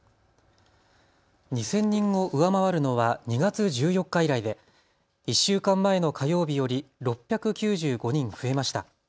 ２０００人を上回るのは２月１４日以来で１週間前の火曜日より６９５人増えました。